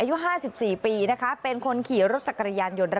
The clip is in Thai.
อายุ๕๔ปีนะคะเป็นคนขี่รถจักรยานยนต์